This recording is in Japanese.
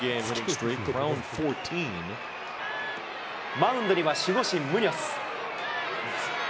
マウンドには守護神、ムニョス。